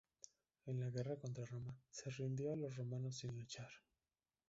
En la guerra contra Roma se rindió a los romanos sin luchar.